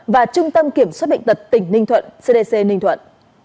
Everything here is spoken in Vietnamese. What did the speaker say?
và trung tâm kiểm soát bệnh tật tỉnh ninh thuận